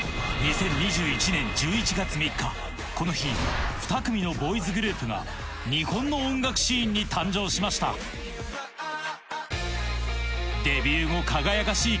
２０２１年この日２組のボーイズグループが日本の音楽シーンに誕生しましたデビュー後輝かしい